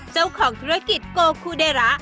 เจ้าของธุรกิจโกคูเดระ